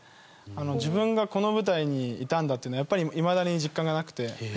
自分がこの舞台にいたんだというのはやっぱり、いまだに実感がなくて。